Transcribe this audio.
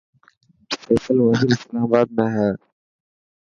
فيصل مسجد اسلام آباد ۾ هي.